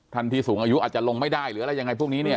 ที่สูงอายุอาจจะลงไม่ได้หรืออะไรยังไงพวกนี้เนี่ย